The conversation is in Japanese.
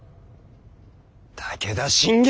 武田信玄！